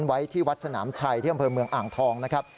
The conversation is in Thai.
ไว้ที่วัดสนามชัยที่อำเภอเมืองอ่างทองนะครับ